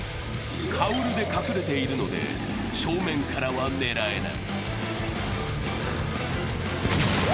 カウルで隠れているので正面からは狙えない。